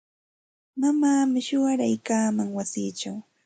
Mamaami shuwaraykaaman wasichaw.